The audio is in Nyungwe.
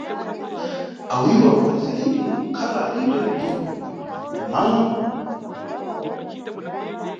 Awiriwa ambakwanisa lini kukhala alibe dhuku, kumunda kwa mayi wace Nyarayi kuna mabvembe.